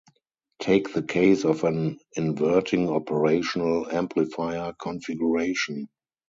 Take the case of an inverting operational amplifier configuration.